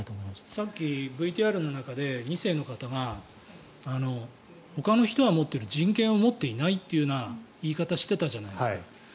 さっきＶＴＲの中で２世の方がほかの人が持っている人権を持っていないという言い方をしていたじゃないですか。